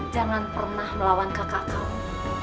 jangan pernah melawan kakak kamu